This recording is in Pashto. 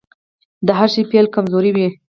د هر شي پيل کمزوری وي .